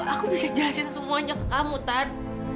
aku bisa jelasin semuanya ke kamu kan